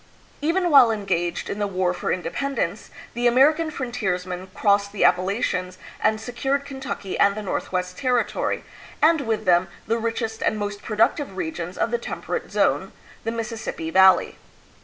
Even while engaged in the War for Independence, the American frontiersman crossed the Appalachians and se cured Kentucky and the Northwest Territory, and with them the richest and most productive regions of the Temperate Zone, the Mississippi Valley.